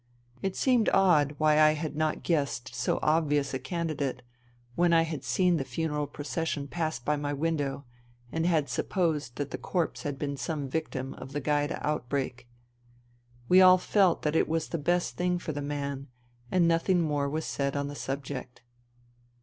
It seemed odd why I had not guessed so obvious a candidate when I had seen the funeral procession pass by my window, and had supposed that the corpse had been some victim of the Gaida outbreak. We all felt that it was the best thing for the man, and nothing more was said on the subject.